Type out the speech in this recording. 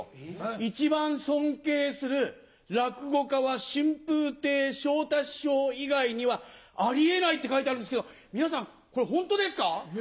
一番尊敬する落語家は春風亭昇太師匠以外にはあり得ないって書いてあるんですけど皆さんこれホントですか？